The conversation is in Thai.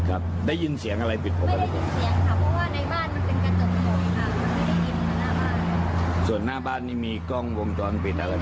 อันนี้มีกล้องวงจรปิดนะครับ